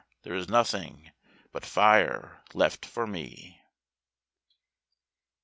there is nothing but fire left for me.